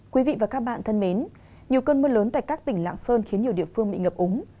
quý vị và các bạn thân mến nhiều cơn mưa lớn tại các tỉnh lạng sơn khiến nhiều địa phương bị ngập úng